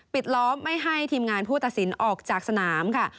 ล้อมไม่ให้ทีมงานผู้ตัดสินออกจากสนามค่ะ